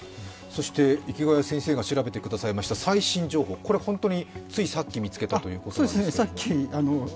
池谷先生が調べてくださいました最新情報、本当についさっき見つけたということなんですけれども。